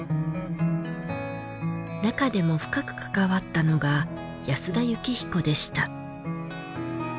中でも深く関わったのが安田靫彦でした。